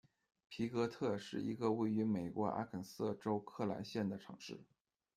皮哥特是一个位于美国阿肯色州克莱县的城市。